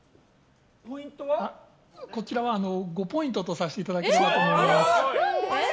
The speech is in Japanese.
こちらは５ポイントとさせていただければと思います。